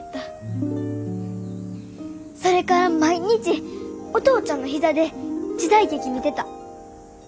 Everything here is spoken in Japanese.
・それから毎日お父ちゃんの膝で時代劇見てた。